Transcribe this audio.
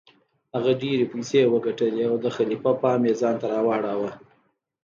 هغه ډیرې پیسې وګټلې او د خلیفه پام یې ځانته راواړوه.